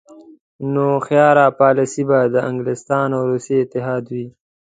نو هوښیاره پالیسي به د انګلستان او روسیې اتحاد وي.